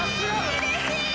うれしい！